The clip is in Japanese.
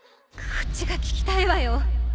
こっちが聞きたいわよ